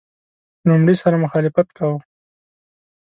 لومړي سره مخالفت کاوه.